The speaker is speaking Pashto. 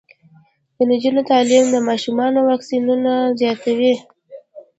د نجونو تعلیم د ماشومانو واکسیناسیون زیاتوي.